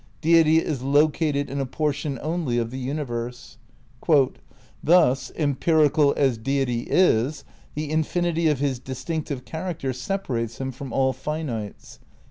Deity is "located in a portion only of the universe." "Thus, empirical as deity is, the infinity of his distinctive char acter separates him from all finites."